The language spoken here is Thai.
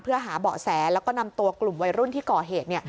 เพื่อหาเบาะแสแล้วก็นำตัวกลุ่มวัยรุ่นที่ก่อเหตุ